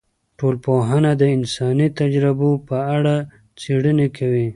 ټولنپوهنه د انساني تجربو په اړه څیړنې کوي.